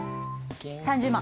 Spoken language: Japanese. ３０万。